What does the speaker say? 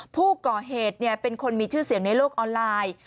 ผู้ก่อเหตุเป็นคนมีชื่อเสียงในโลกออนไลน์